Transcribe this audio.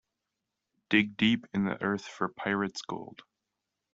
Dig deep in the earth for pirate's gold.